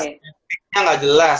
intensitasnya nggak jelas